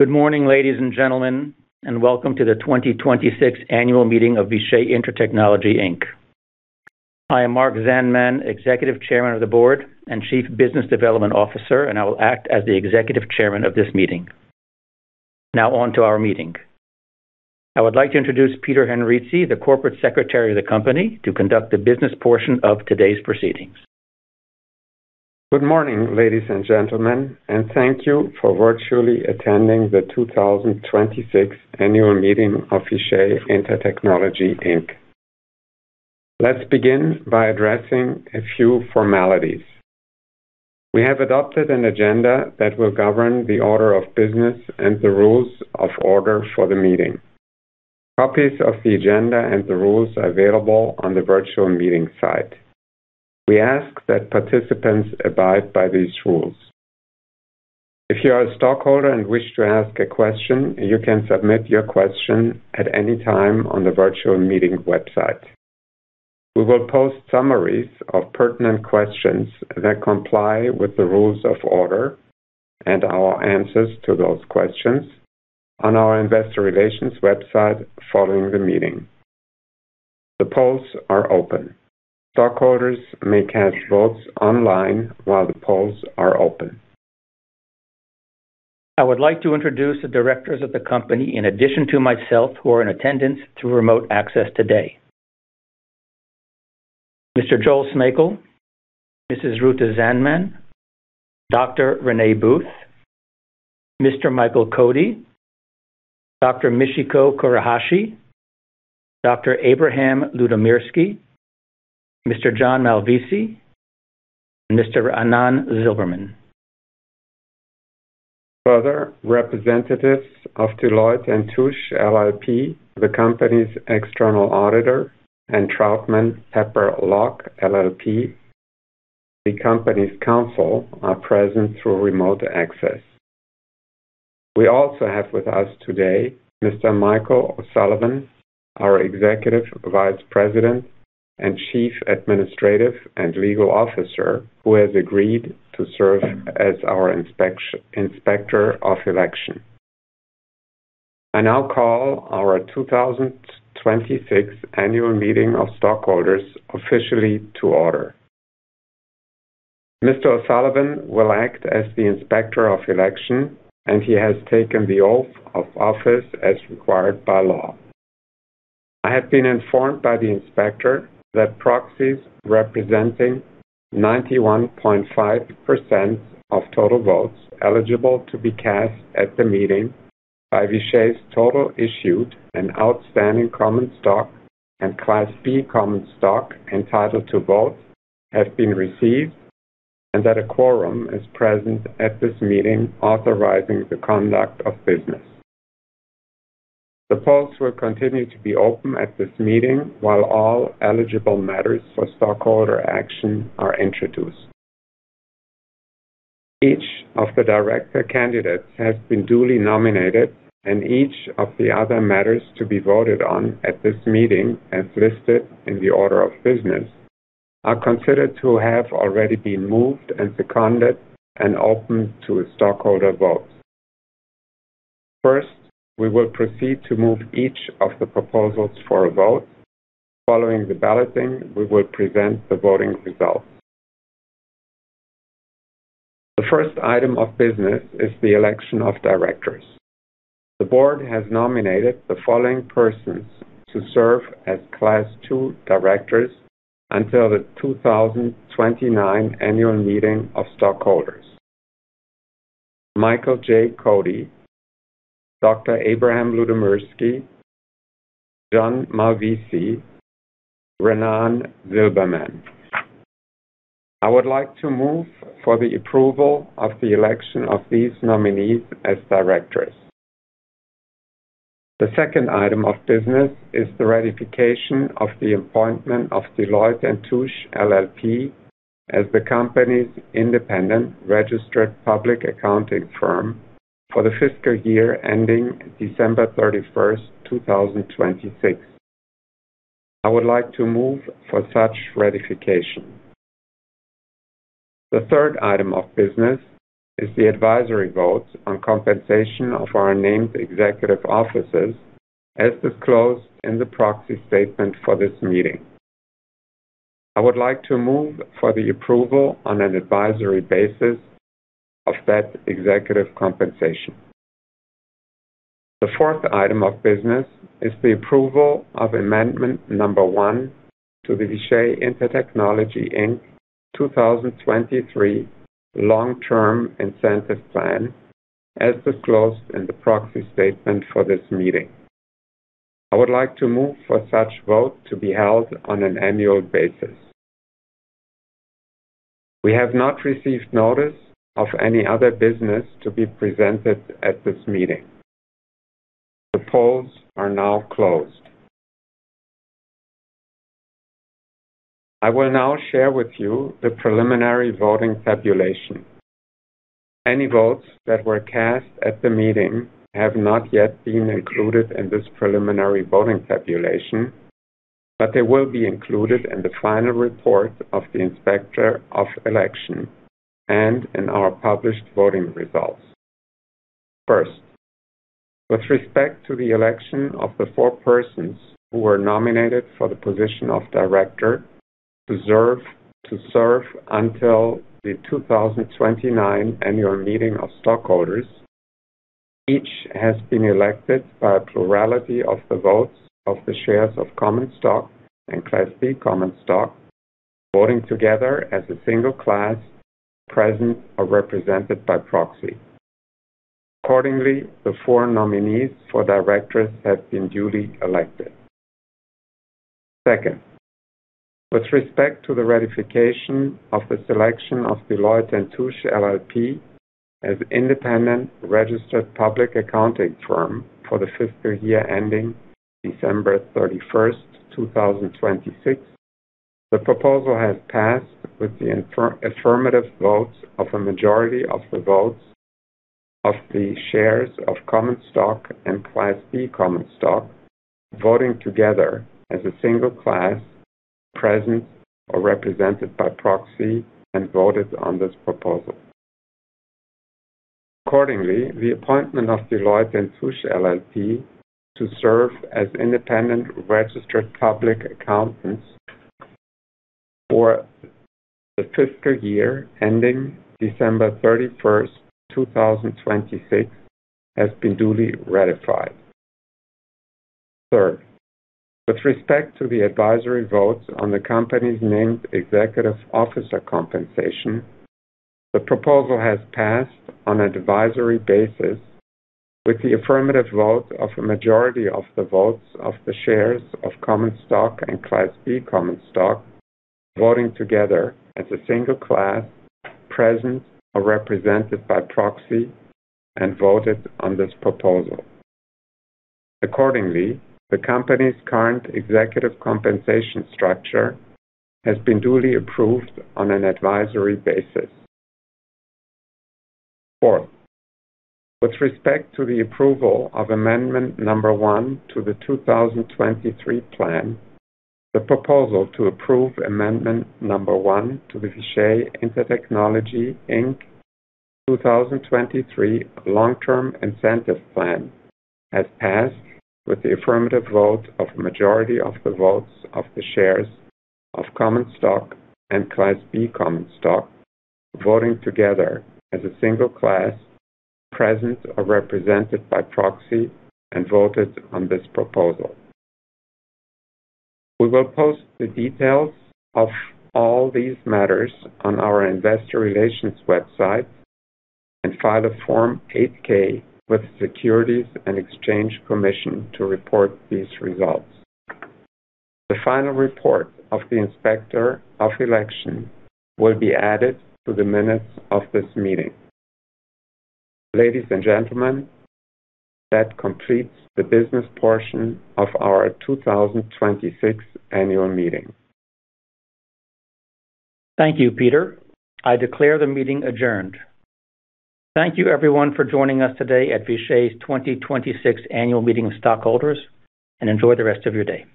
Good morning, ladies and gentlemen, and welcome to the 2026 Annual Meeting of Vishay Intertechnology, Inc.. I am Marc Zandman, Executive Chairman of the Board and Chief Business Development Officer, and I will act as the executive chairman of this meeting. On to our meeting. I would like to introduce Peter Henrici, the Corporate Secretary of the company, to conduct the business portion of today's proceedings. Good morning, ladies and gentlemen, and thank you for virtually attending the 26th Annual Meeting of Vishay Intertechnology, Inc. Let's begin by addressing a few formalities. We have adopted an agenda that will govern the order of business and the rules of order for the meeting. Copies of the agenda and the rules are available on the virtual meeting site. We ask that participants abide by these rules. If you are a stockholder and wish to ask a question, you can submit your question at any time on the virtual meeting website. We will post summaries of pertinent questions that comply with the rules of order and our answers to those questions on our investor relations website following the meeting. The polls are open. Stockholders may cast votes online while the polls are open. I would like to introduce the directors of the company, in addition to myself, who are in attendance through remote access today. Mr. Joel Smejkal, Mrs. Ruta Zandman, Dr. Renee Booth, Mr. Michael Cody, Dr. Michiko Kurahashi, Dr. Abraham Ludomirski, Mr. John Malvisi, Mr. Raanan Zilberman. Representatives of Deloitte & Touche LLP, the company's external auditor, and Troutman Pepper Locke LLP, the company's counsel, are present through remote access. We also have with us today Mr. Michael O'Sullivan, our Executive Vice President and Chief Administrative and Legal Officer, who has agreed to serve as our inspector of election. I now call our 2026 Annual Meeting of Stockholders officially to order. Mr. O'Sullivan will act as the inspector of election, and he has taken the oath of office as required by law. I have been informed by the inspector that proxies representing 91.5% of total votes eligible to be cast at the meeting by Vishay's total issued and outstanding common stock and Class B common stock entitled to vote have been received and that a quorum is present at this meeting authorizing the conduct of business. The polls will continue to be open at this meeting while all eligible matters for stockholder action are introduced. Each of the director candidates has been duly nominated, Each of the other matters to be voted on at this meeting, as listed in the order of business, are considered to have already been moved and seconded and opened to a stockholder vote. First, we will proceed to move each of the proposals for a vote. Following the balloting, we will present the voting results. The first item of business is the election of directors. The board has nominated the following persons to serve as Class 2 directors until the 2029 annual meeting of stockholders. Michael J. Cody, Dr. Abraham Ludomirski, John Malvisi, Raanan Zilberman. I would like to move for the approval of the election of these nominees as directors. The second item of business is the ratification of the appointment of Deloitte & Touche LLP as the company's independent registered public accounting firm for the fiscal year ending December 31st, 2026. I would like to move for such ratification. The third item of business is the advisory vote on compensation of our named executive officers, as disclosed in the proxy statement for this meeting. I would like to move for the approval on an advisory basis of that executive compensation. The fourth item of business is the approval of amendment number 1 to the Vishay Intertechnology, Inc. 2023 Long-Term Incentive Plan, as disclosed in the proxy statement for this meeting. I would like to move for such vote to be held on an annual basis. We have not received notice of any other business to be presented at this meeting. The polls are now closed. I will now share with you the preliminary voting tabulation. Any votes that were cast at the meeting have not yet been included in this preliminary voting tabulation. They will be included in the final report of the Inspector of Election and in our published voting results. First, with respect to the election of the four persons who were nominated for the position of director to serve until the 2029 annual meeting of stockholders, each has been elected by a plurality of the votes of the shares of common stock and Class B common stock, voting together as a single class present or represented by proxy. Accordingly, the four nominees for directors have been duly elected. Second, with respect to the ratification of the selection of Deloitte & Touche LLP as independent registered public accounting firm for the fiscal year ending December 31st, 2026, the proposal has passed with the affirmative votes of a majority of the votes of the shares of common stock and Class B common stock, voting together as a single class present or represented by proxy and voted on this proposal. Accordingly, the appointment of Deloitte & Touche LLP to serve as independent registered public accountants for the fiscal year ending December 31st, 2026 has been duly ratified. Third, with respect to the advisory vote on the company's named executive officer compensation, the proposal has passed on advisory basis with the affirmative vote of a majority of the votes of the shares of common stock and Class B common stock, voting together as a single class present or represented by proxy and voted on this proposal. Accordingly, the company's current executive compensation structure has been duly approved on an advisory basis. Fourth, with respect to the approval of amendment number 1 to the 2023 plan, the proposal to approve amendment number 1 to the Vishay Intertechnology, Inc. 2023 Long-Term Incentive Plan has passed with the affirmative vote of a majority of the votes of the shares of common stock and Class B common stock, voting together as a single class present or represented by proxy and voted on this proposal. We will post the details of all these matters on our investor relations website and file a Form 8-K with the Securities and Exchange Commission to report these results. The final report of the Inspector of Election will be added to the minutes of this meeting. Ladies and gentlemen, that completes the business portion of our 2026 annual meeting. Thank you, Peter. I declare the meeting adjourned. Thank you everyone for joining us today at Vishay's 2026 Annual Meeting of Stockholders and enjoy the rest of your day.